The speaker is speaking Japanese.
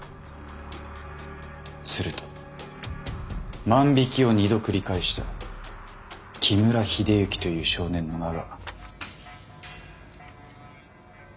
すると万引きを２度繰り返した木村英之という少年の名が。